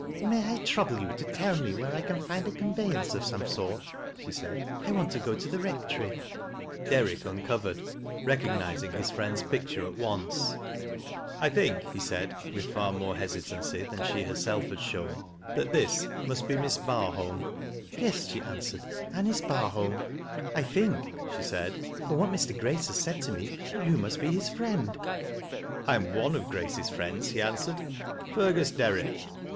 " May I trDTible you to tell me where I can find a con yeyanoe of some sort," she said. " I want to go tc the Rectory," Derrijk uncovered, recognizing his friend's picture at once. " I think," he said with far more hesitancy that 22 THAT LASS (f LO WHISTS. she had herself shown, "that this must be Miss Bni holm." " Yes," she answered, " A.nice Barholm. I think," she said, " from what Mr. Grace has said to me, that you musi be his friend." " I am one of Grace's friends," he answered, " Fergw Derrick."